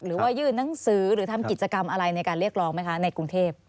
หรือว่ายื่นหนังสือหรือทำกิจกรรมอะไรในการเรียกร้องไหมคะในกรุงเทพ